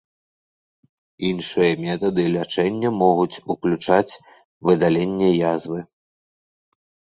Іншыя метады лячэння могуць уключаць выдаленне язвы.